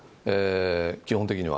基本的には。